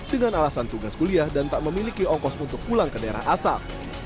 dengan alasan tugas kuliah dan tak memiliki ongkos untuk pulang ke daerah asal